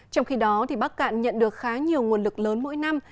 trong khi đó bắc cạn nhận được khá nhiều nguồn lực lớn mỗi năm